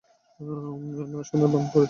না শোনার ভান করে থাকো।